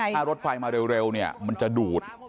ถ้ารถไฟมาเร็วมันจะดูด